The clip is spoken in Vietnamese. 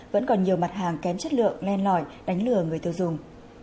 vẫn còn nhiều mặt hàng kém chất lượng len lỏi đánh lừa người tiêu dùng